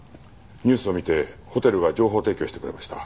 ニュースを見てホテルが情報提供してくれました。